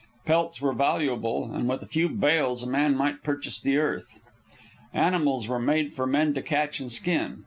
Pelts were valuable, and with a few bales a man might purchase the earth. Animals were made for men to catch and skin.